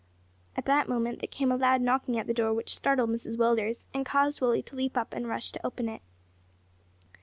At that moment there came a loud knocking at the door, which startled Mrs Willders, and caused Willie to leap up and rush to open it.